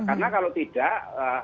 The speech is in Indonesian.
karena kalau tidak